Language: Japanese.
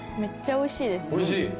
おいしい？